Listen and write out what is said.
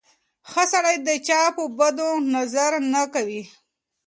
ښه سړی د چا په بدو نظر نه کوي.